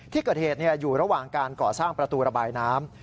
ที่เกิดเหตุอยู่ระหว่างการก่อสร้างประตูระบายน้ำ